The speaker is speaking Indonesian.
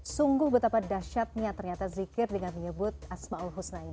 sungguh betapa dasyatnya ternyata zikir dengan menyebut asma'ul husna ini